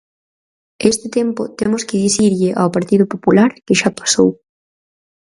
E este tempo temos que dicirlle ao Partido Popular que xa pasou.